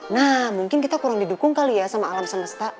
nah mungkin kita kurang didukung kali ya sama alam semesta